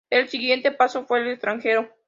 El siguiente paso fue el extranjero.